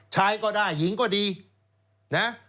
ชายก็ได้หญิงก็ดีนะ